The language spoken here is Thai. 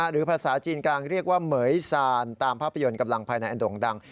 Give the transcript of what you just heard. หรือภาษาจีนกลางเรียกว่าเหม๋ยซานตามภาพยนตร์กำลังภายในอันโด่งดัง